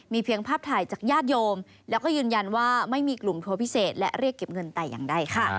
เพียงภาพถ่ายจากญาติโยมแล้วก็ยืนยันว่าไม่มีกลุ่มโทรพิเศษและเรียกเก็บเงินแต่อย่างใดค่ะ